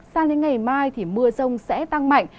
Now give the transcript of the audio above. sang đến ngày mai thì mưa rông sẽ tăng mạnh